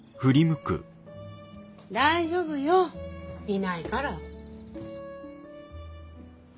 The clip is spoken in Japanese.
大丈夫よいないから。